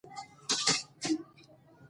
زموږ د ادب هر اړخ له فيمنستي زاويې